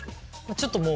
ちょっともう。